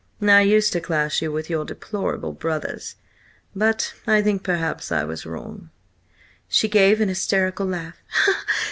"I used to class you with your deplorable brothers, but I think perhaps I was wrong." She gave an hysterical laugh.